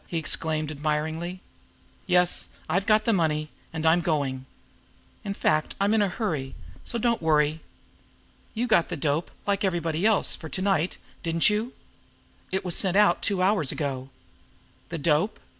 he exclaimed admiringly. "Yes; I've got the money and I'm going. In fact, I'm in a hurry, so don't worry! You got the dope, like everybody else, for to night, didn't you? It was sent out two hours ago." The dope!